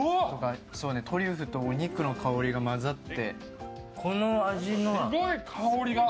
トリュフとお肉の香りが混ざって。